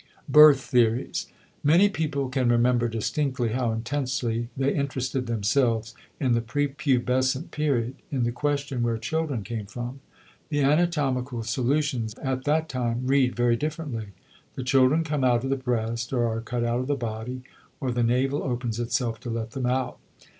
*Birth Theories.* Many people can remember distinctly how intensely they interested themselves, in the prepubescent period, in the question where children came from. The anatomical solutions at that time read very differently; the children come out of the breast or are cut out of the body, or the navel opens itself to let them out.